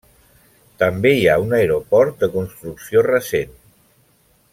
També hi ha un aeroport de construcció recent.